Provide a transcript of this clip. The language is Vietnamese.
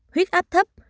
năm huyết áp thấp